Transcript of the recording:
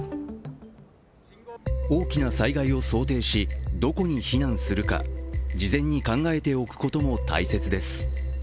大きな災害を想定し、どこに避難するか事前に考えておくことも大切です。